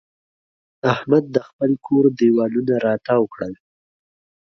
احمد د خپل کور دېوالونه را تاوو کړل.